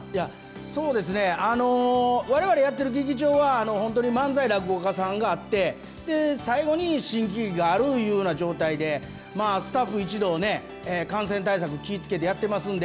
そうですね、われわれやってる劇場は、本当に漫才、落語家さんがあって、最後に新喜劇があるいうような状態で、スタッフ一同ね、感染対策気をつけてやってますんで。